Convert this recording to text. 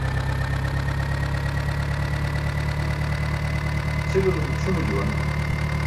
Cʰilulum ćʰumo juwan.